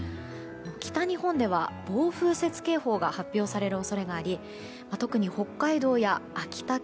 北日本では暴風雪警報が発表される恐れがあり特に北海道や秋田県